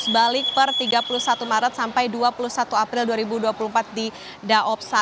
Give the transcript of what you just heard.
balik per tiga puluh satu maret sampai dua puluh satu april dua ribu dua puluh empat di daob satu